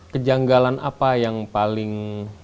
kejanggalan apa yang paling